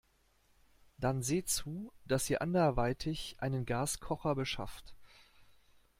Dann seht zu, dass ihr anderweitig einen Gaskocher beschafft.